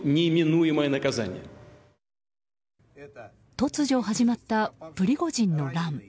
突如始まった、プリゴジンの乱。